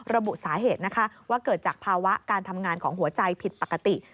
ระบุสาเหตุนะคะว่าเกิดจากภาวะการทำงานของหัวใจผิดปกติ